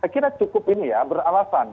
kita cukup ini ya beralasan